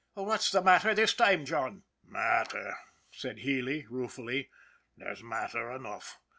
" What's the matter this time, John ?" "Matter," said Healy, ruefully; "there's matter enough.